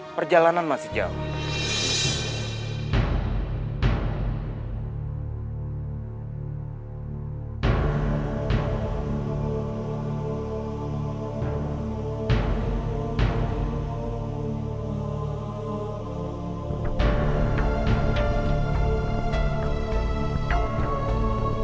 perjalanan masih jauh